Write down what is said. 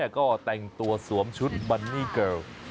ก็แต่งตัวสวมชุดบันนี่เกิล